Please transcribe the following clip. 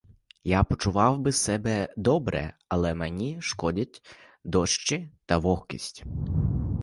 Я почував би себе добре, але мені шкодять дощі та вогкість.